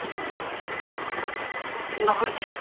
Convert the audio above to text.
あっ、流れてきた。